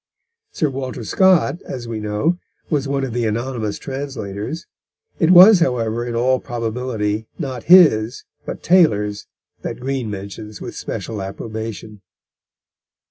Sir Walter Scott, as we know, was one of the anonymous translators; it was, however, in all probability not his, but Taylor's, that Green mentions with special approbation.